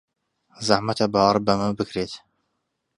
زەحمەتە باوەڕ بەمە بکرێت.